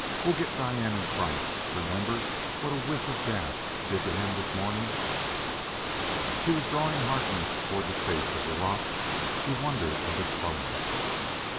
We'll get Diane and Kreiss: remember what a whiff of gas did to him this morning." He was drawing Harkness toward the face of the rock; he wondered at his slowness.